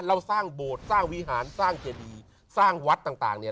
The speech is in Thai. เราสร้างโบสถ์สร้างวิหารสร้างเจดีสร้างวัดต่างต่างเนี่ย